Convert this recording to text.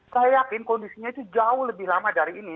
saya yakin kondisinya itu jauh lebih lama dari ini